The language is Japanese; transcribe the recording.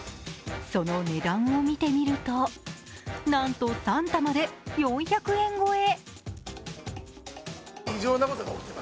その値段を見てみると、なんと３玉で４００円超え！